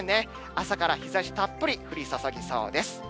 朝から日ざしたっぷり降り注ぎそうです。